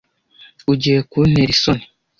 Ugiye kuntera isoni.